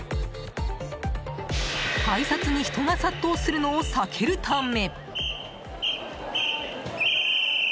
改札に人が殺到するのを避けるため。